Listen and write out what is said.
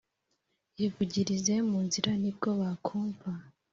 Yivugirize mu nzira nibwo bakumva